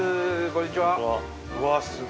こんにちは。